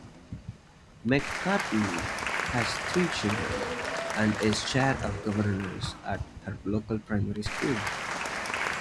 McCartney has three children, and is chair of governors at her local primary school.